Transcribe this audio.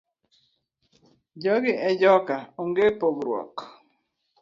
Jogi e joka onge pogruok.